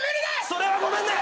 それはごめんね。